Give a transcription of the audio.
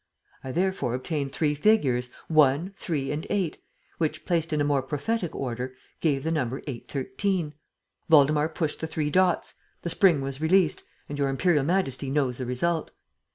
I therefore obtained three figures, 1, 3 and 8, which, placed in a more prophetic order, gave the number 813. Waldemar pushed the three dots, the spring was released and Your Imperial Majesty knows the result.